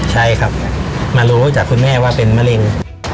ใช่ครับมารู้จากคุณแม่ว่าเป็นมะเร็ง